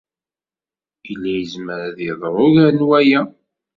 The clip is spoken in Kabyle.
Yella yezmer ad yeḍru ugar n waya!